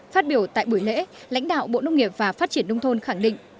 phát biểu tại buổi lễ lãnh đạo bộ nông nghiệp và phát triển nông thôn khẳng định